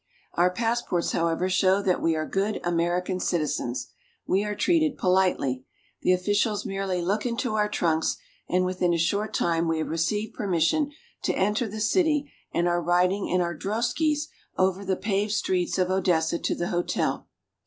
Our passports, however, show that we are good American citizens. We are treated politely. The officials merely look into our trunks, and within a short time we have 312 RUSSIA. Drosky. received permission to enter the city and are riding in our droskies over the paved streets of Odessa to the hotel.